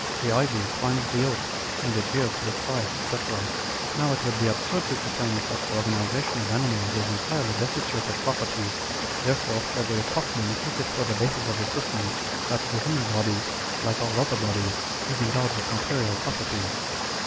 The ivy climbs the oak, and adheres to its sides, &c. Now it would be absurd to pretend that the organization of animals is entirely destitute of properties : therefore Frederick Hoffman took it for the basis of his system, that the human body, like all other bodies, is endowed with material properties."